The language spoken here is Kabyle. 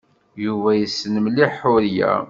Yuba yessen mliḥ Ḥuriya.